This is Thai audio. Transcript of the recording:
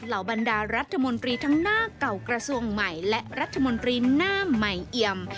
เหล่าบรรดารัฐมนตรีทั้งหน้าเก่ากระทรวงใหม่และรัฐมนตรีหน้าใหม่เอี่ยม